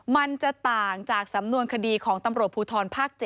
มันจะต่างจากสำนวนคดีของตำรวจภูทรภาค๗